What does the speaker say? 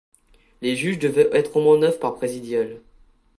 Les juges devaient être au moins neuf par présidial.